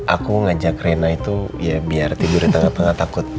aku ngajak rena itu ya biar tidur di tengah tengah takut